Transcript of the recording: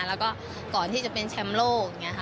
แล้วก็ก่อนที่จะเป็นแชมป์โลก